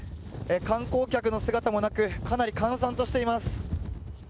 観光客の姿もなく、かなり閑散としています。